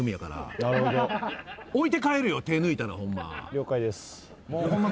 了解です。